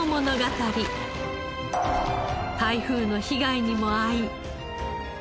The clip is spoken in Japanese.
台風の被害にも遭い。